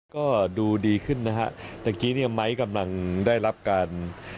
ก็ดูดีขึ้นนะฮะตะกี้เนี่ยไม้กำลังได้รับการ